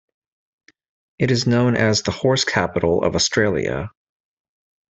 It is known as the 'Horse capital of Australia'.